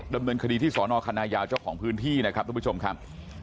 ดำเนินคดีที่สอนอคณะยาวเจ้าของพื้นที่นะครับทุกผู้ชมครับ